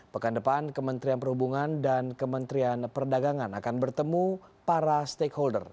pekan depan kementerian perhubungan dan kementerian perdagangan akan bertemu para stakeholder